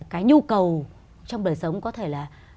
cái nhu cầu trong đời sống có thể là